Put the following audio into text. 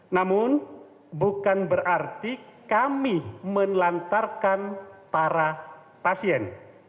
namun bukan berarti kami menelantarkan para pasien